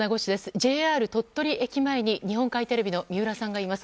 ＪＲ鳥取駅前に日本海テレビの三浦さんがいます。